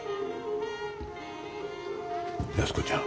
安子ちゃん。